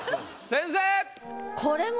先生！